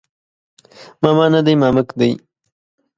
ماما نه دی مامک دی